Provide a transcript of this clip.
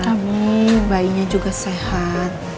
tapi bayinya juga sehat